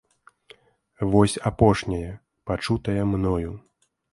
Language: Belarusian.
Вось апошняя, пачутая мною.